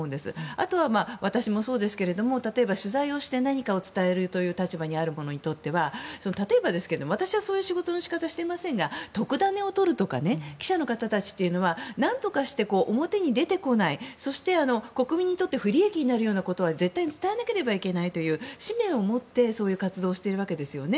あとは私もそうですけど例えば取材して何かを伝える立場にある者にとって例えばですけど私はそういう仕事の仕方をしていませんが特ダネを取るとか記者の方たちは何とかして表に出てこないそして、国民にとって不利益になるようなことは絶対に伝えなければいけないという使命を持ってそういう活動をしているわけですよね。